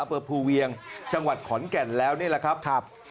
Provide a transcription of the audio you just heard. อำเภอภูเวียงจังหวัดขอนแก่นแล้วนี่แหละครับ